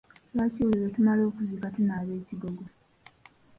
Lwaki buli lwe tumala okuziika tunaaba ekigogo?